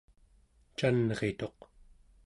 canrituq